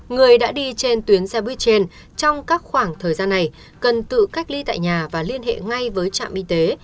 người đã đi trên tuyến xe buýt trên trong các khoảng thời gian này cần tự cách ly tại nhà và liên hệ ngay với trạm y tế